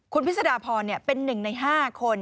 คุณพิศดาพรเป็นหนึ่งใน๕คน